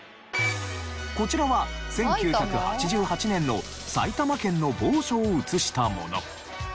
こちらは１９８８年の埼玉県の某所を映したもの。